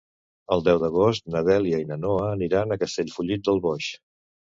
El deu d'agost na Dèlia i na Noa aniran a Castellfollit del Boix.